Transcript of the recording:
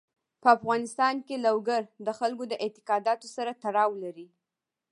په افغانستان کې لوگر د خلکو د اعتقاداتو سره تړاو لري.